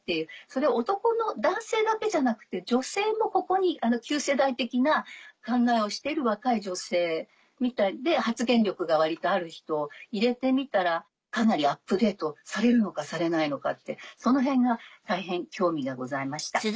それは男性だけじゃなくて女性も世代的な考えをしてる若い女性発言力が割とある人入れてみたらかなりアップデートされるのかされないのかってそのへんが大変興味がございました。